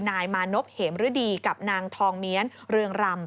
นายมานพเหมฤดีกับนางทองเมียนเรืองรำ